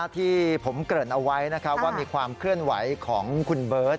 ที่ผมเกริ่นเอาไว้ว่ามีความเคลื่อนไหวของคุณเบิร์ต